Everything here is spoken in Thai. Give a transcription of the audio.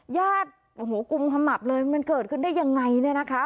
ญาติโอ้โหกุมขมับเลยมันเกิดขึ้นได้ยังไงเนี่ยนะคะ